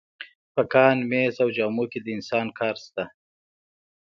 په کان، مېز او جامو کې د انسان کار شته